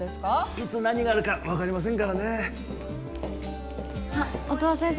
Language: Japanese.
いつ何があるか分かりませんからねあっ音羽先生